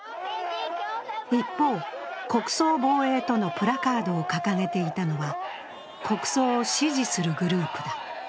一方、国葬防衛とのプラカードを掲げていたのは、国葬を支持するグループだ。